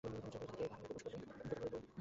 সে বললে, আচ্ছা, টাকা দিয়ে ঐ পাহারার লোকদের বশ করব।